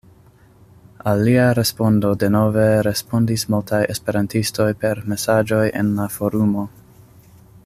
Al lia respondo denove respondis multaj Esperantistoj per mesaĝoj en la forumo.